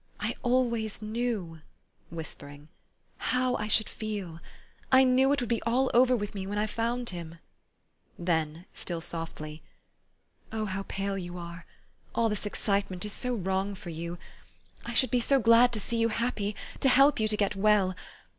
I always knew," whispering, '' how I should feel. I knew it would be all over with me when I found him." Then, still softly, " Oh, how pale you are ! All this excitement is so wrong for you ! I should be so glad to see you happy to help you to get well!